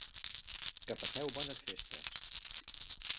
Que passeu bones festes!